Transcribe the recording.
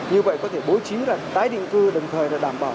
như vậy có thể bố trí là tái định cư đồng thời là đảm bảo